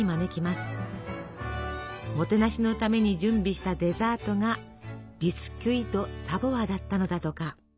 もてなしのために準備したデザートがビスキュイ・ド・サヴォワだったのだとか。